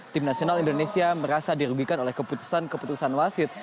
tim nasional indonesia merasa dirugikan oleh keputusan keputusan wasit